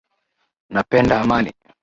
Napenda amani